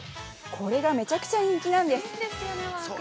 これがめちゃくちゃ人気なんです。